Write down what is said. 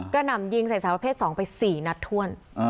หนำยิงใส่สาวประเภท๒ไป๔นัดถ้วน